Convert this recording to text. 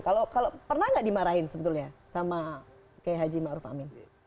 kalau pernah nggak dimarahin sebetulnya sama kehaji ma'ruf amin